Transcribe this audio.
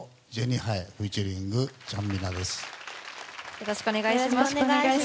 よろしくお願いします。